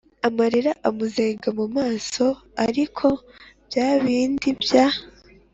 amarira amuzenga mumaso ariko byabindi bya